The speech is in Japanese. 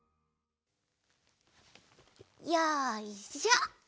よいしょ！